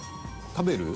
食べる？